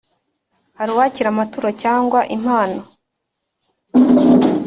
Hari uwakira amaturo cyangwa impano